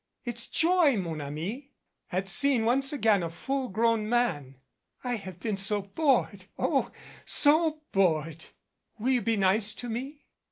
It's joy, mon ami, at seeing once again a full grown man. I have been bored oh, so bored 1 Will you be nice to me?"